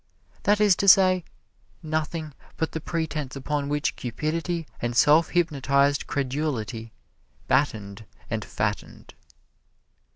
That is to say, nothing but the pretense upon which cupidity and self hypnotized credulity battened and fattened.